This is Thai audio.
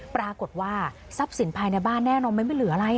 ปรากฏว่าทรัพย์สินภายในบ้านแน่นอนมันไม่เหลืออะไร